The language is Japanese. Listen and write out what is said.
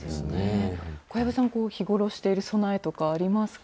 小籔さん、日頃している備えとかありますか。